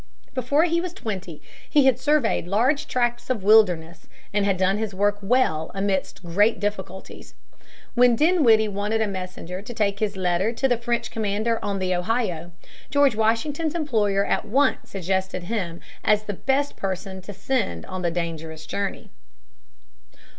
Before he was twenty he had surveyed large tracts of wilderness, and had done his work well amidst great difficulties. When Dinwiddie wanted a messenger to take his letter to the French commander on the Ohio, George Washington's employer at once suggested him as the best person to send on the dangerous journey.